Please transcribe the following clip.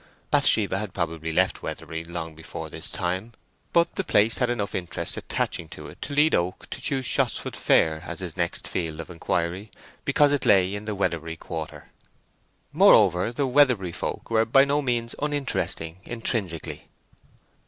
Bathsheba had probably left Weatherbury long before this time, but the place had enough interest attaching to it to lead Oak to choose Shottsford fair as his next field of inquiry, because it lay in the Weatherbury quarter. Moreover, the Weatherbury folk were by no means uninteresting intrinsically.